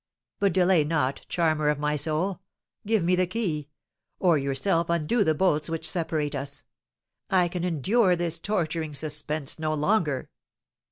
But delay not, charmer of my soul, give me the key, or yourself undo the bolts which separate us. I can endure this torturing suspense no longer!"